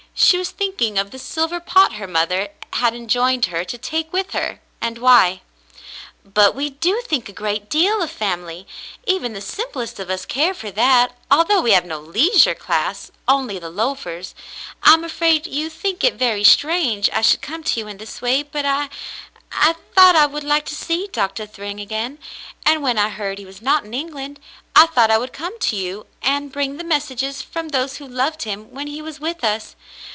She was thinking of the silver pot her mother had enjoined her to take with her, and why. "But we do think a great deal of family ; even the simplest of us care for that, al though we have no leisure class — only the loafers. I'm afrai4 you think it very strange I should come to you in this way, but I — thought I would like to see Doctah Thryng again, and when I heard he was not in England, I thought I would come to you and bring the messages from those who loved him when he was with us.